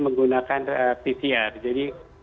menggunakan pcr jadi